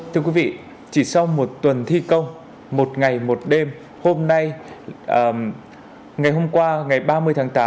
thưa quý vị chỉ sau một tuần thi công một ngày một đêm hôm nay ngày hôm qua ngày ba mươi tháng tám